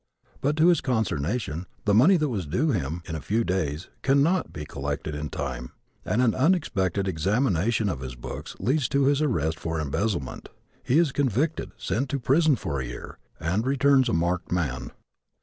But to his consternation the money that was due him in a few days cannot be collected in time and an unexpected examination of his books leads to his arrest for embezzlement. He is convicted, sent to prison for a year, and returns a marked man.